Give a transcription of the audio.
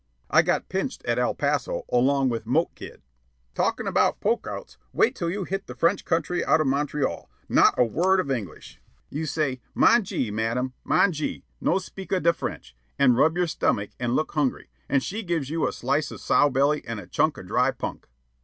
'" "I got 'pinched' at El Paso, along with Moke Kid." "Talkin' of 'poke outs,' wait till you hit the French country out of Montreal not a word of English you say, 'Mongee, Madame, mongee, no spika da French,' an' rub your stomach an' look hungry, an' she gives you a slice of sow belly an' a chunk of dry 'punk.'"